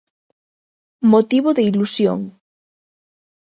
Motivo de ilusión.